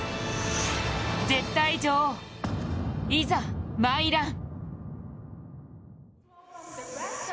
絶対女王、いざ参らん。